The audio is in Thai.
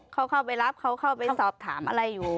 เขาเข้าไปรับเขาเข้าไปสอบถามอะไรอยู่